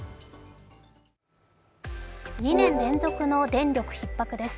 ２年連続の電力ひっ迫です